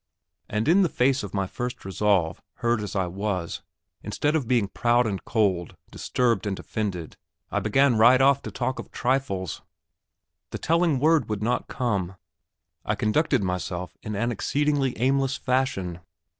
And in the face of my first resolve, hurt as I was, instead of being proud and cold, disturbed and offended, I began right off to talk of trifles. The telling word would not come; I conducted myself in an exceedingly aimless fashion.